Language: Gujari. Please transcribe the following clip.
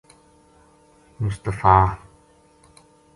مصطفی